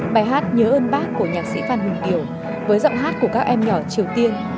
bài hát nhớ ơn bác của nhạc sĩ phan huỳnh kiều với giọng hát của các em nhỏ triều tiên